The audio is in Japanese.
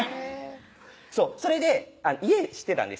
そうそれで家知ってたんですよ